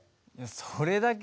「それだけ？」